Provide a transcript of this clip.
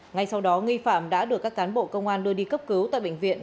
ngay sau đó nghi phạm đã được các cán bộ công an đưa đi cấp cứu tại bệnh viện